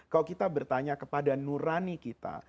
kalau kita bertanya kepada nurani kita